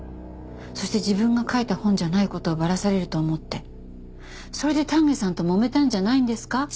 そして自分が書いた本じゃない事をバラされると思ってそれで丹下さんともめたんじゃないんですか？